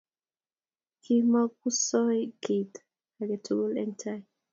Kimakuisoi kit ake tukul eng' tai